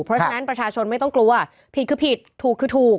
เพราะฉะนั้นประชาชนไม่ต้องกลัวผิดคือผิดถูกคือถูก